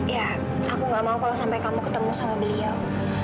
ya aku gak mau kalau sampai kamu ketemu sama beliau